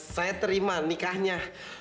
saya terima nikahnya